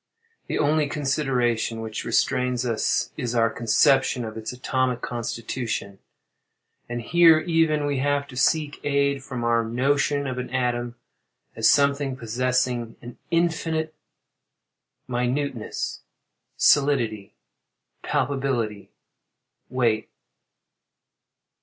The only consideration which restrains us is our conception of its atomic constitution; and here, even, we have to seek aid from our notion of an atom, as something possessing in infinite minuteness, solidity, palpability, weight.